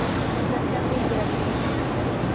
Sensación de ingravidez.